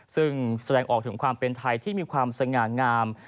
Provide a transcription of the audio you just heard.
ซึ่งแสดงออกถึงความเป็นไทยที่มีความสง่างาม